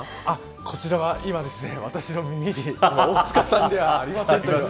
こちらは今、私の耳に大塚さんではありませんと。